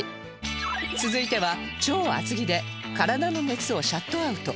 続いては超厚着で体の熱をシャットアウト